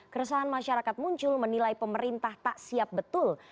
keresahan masyarakat muncul menilai pemerintah tak siap betul